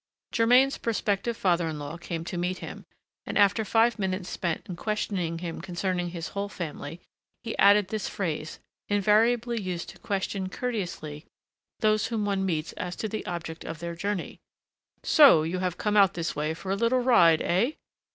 Germain's prospective father in law came to meet him, and, after five minutes spent in questioning him concerning his whole family, he added this phrase, invariably used to question courteously those whom one meets as to the object of their journey: "So you have come out this way for a little ride, eh?"